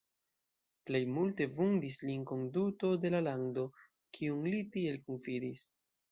Plej multe vundis lin konduto de la lando, kiun li tiel konfidis.